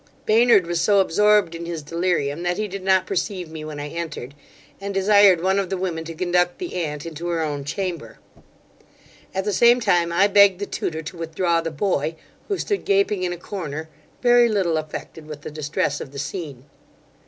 Baynard was so absorbed in his delirium, that he did not perceive me when I entered, and desired one of the women to conduct the aunt into her own chamber. At the same time I begged the tutor to withdraw the boy, who stood gaping in a corner, very little affected with the distress of the scene.